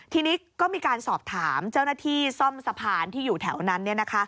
ทีนี้ก็มีการสอบถามเจ้าหน้าที่ซ่อมสะพานที่อยู่แถวนั้น